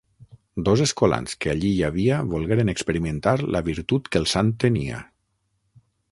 Dos escolans que allí hi havia volgueren experimentar la virtut que el sant tenia.